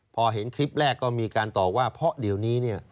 พอเห็นคลิปแรกก็มีการตอบว่าเพราะเดี๋ยวนี้เนี่ย